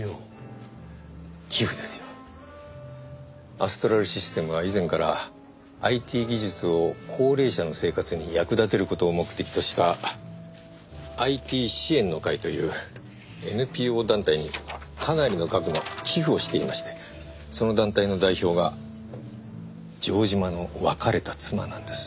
アストラルシステムは以前からＩＴ技術を高齢者の生活に役立てる事を目的としたあいてぃー支援の会というＮＰＯ団体にかなりの額の寄付をしていましてその団体の代表が城島の別れた妻なんです。